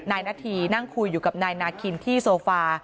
นายนาธีนั่งคุยอยู่กับนายนาคินที่โซฟา